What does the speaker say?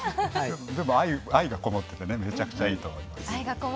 でも、愛がこもっててめちゃくちゃいいと思います。